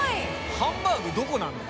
ハンバーグどこなの？